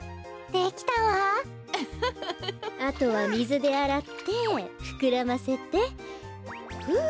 あとはみずであらってふくらませてふう！